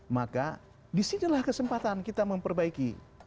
maka disinilah kesempatan kita memperbaiki